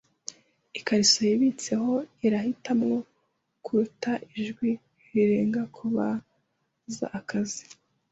Ikariso yibitseho irahitamo kuruta ijwi rirenga kubaza akazi.